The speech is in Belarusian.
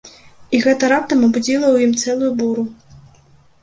І гэта раптам абудзіла ў ім цэлую буру.